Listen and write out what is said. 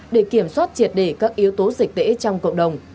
để kiểm soát triệt đề các yếu tố dịch tễ trong cộng đồng